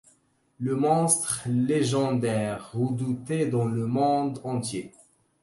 Le monstre légendaire redouté dans le monde entier.